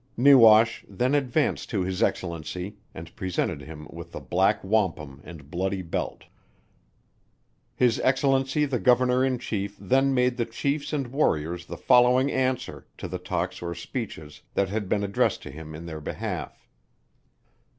NEWASH then advanced to His Excellency, and presented him with the Black Wampum and Bloody Belt. His Excellency the Governor in Chief then made the Chiefs and Warriors the following answer to the talks or speeches that had been addressed to him in their behalf.